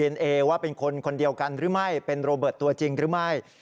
เอว่าเป็นคนคนเดียวกันหรือไม่เป็นโรเบิร์ตตัวจริงหรือไม่